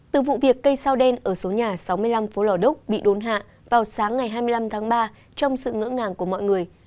từ vụ việc cây sao đen ở số nhà sáu mươi năm phố lò đúc bị đốn hạ vào sáng ngày hai mươi năm tháng ba trong sự ngỡ ngàng của mọi người